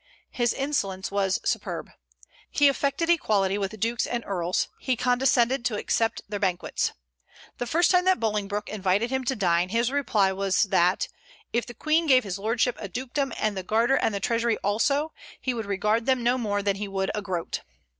His insolence was superb. He affected equality with dukes and earls; he "condescended" to accept their banquets. The first time that Bolingbroke invited him to dine, his reply was that "if the Queen gave his lordship a dukedom and the Garter and the Treasury also, he would regard them no more than he would a groat."